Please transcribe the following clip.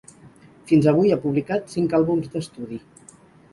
Fins avui ha publicat cinc àlbums d'estudi.